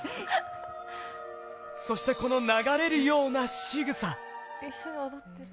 そして、この流れるようなしぐさ。